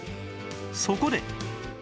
そこで